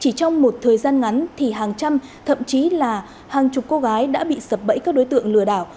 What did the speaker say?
chỉ trong một thời gian ngắn thì hàng trăm thậm chí là hàng chục cô gái đã bị sập bẫy các đối tượng lừa đảo